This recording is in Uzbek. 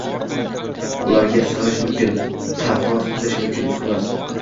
Ularga sig‘inish mumkin, tavof qilish mumkin, xolos.